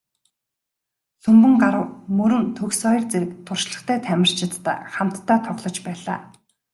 Лхүмбэнгарав, Мөрөн, Төгсбаяр зэрэг туршлагатай тамирчидтай хамтдаа тоглож байлаа.